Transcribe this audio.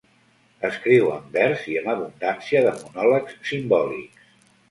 Escriu en vers i amb abundància de monòlegs simbòlics.